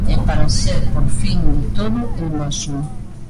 E para ser, por fin, de todo, el mesmo.